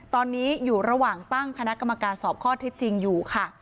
ตอนนี้อยู่ระหว่างตั้งคณะกรรมการสอบข้อเท็จจริงอยู่ค่ะ